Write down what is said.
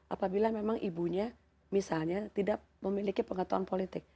apabila memang ibunya misalnya tidak memiliki pengetahuan politik